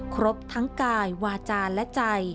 ครบทั้งกายวาจาและใจ